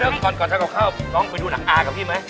เดี๋ยวก่อนทั้งกลับข้าวลองไปดูหนังอากับพี่มั้ย